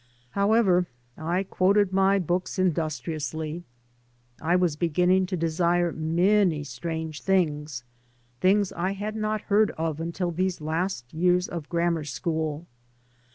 However, I quoted my books industriously. I was beginning to desire many strange things, things I had not heard of until these last years of grammar school.